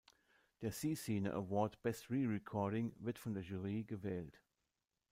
Der Zee Cine Award Best Re-Recording wird von der Jury gewählt.